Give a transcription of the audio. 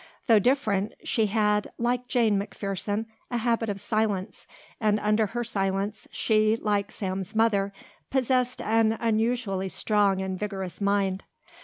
Though different, she had, like Jane McPherson, a habit of silence; and under her silence, she, like Sam's mother, possessed an unusually strong and vigorous mind.